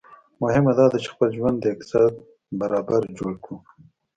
مهمه داده چي خپل ژوند د اقتصاد برابر جوړ کړو